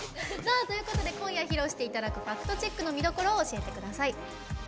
ということで今夜、披露していただく「ＦａｃｔＣｈｅｃｋ」の見どころを教えてください。